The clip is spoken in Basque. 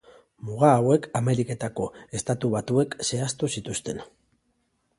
Muga hauek Ameriketako Estatu Batuek zehaztu zituzten.